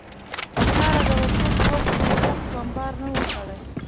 د ښاره د وتو په وخت کې یې سخت بمبار نه و کړی.